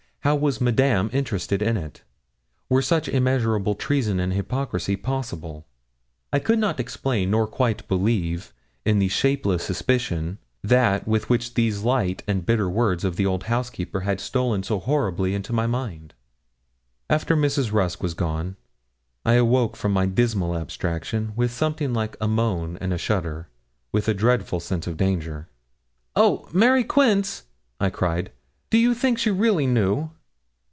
How was Madame interested in it? Were such immeasurable treason and hypocrisy possible? I could not explain nor quite believe in the shapeless suspicion that with these light and bitter words of the old housekeeper had stolen so horribly into my mind. After Mrs. Rusk was gone I awoke from my dismal abstraction with something like a moan and a shudder, with a dreadful sense of danger. 'Oh! Mary Quince,' I cried, 'do you think she really knew?'